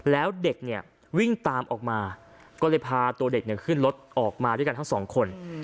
แล้วเด็กเนี่ยวิ่งตามออกมาก็เลยพาตัวเด็กขึ้นรถออกมาด้วยกันทั้งสองคน